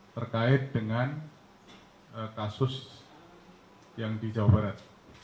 terkait dengan kasus yang di jawa barat